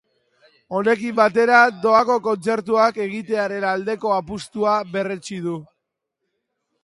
Honekin batera, doako kontzertuak egitearen aldeko apustua berretsi du.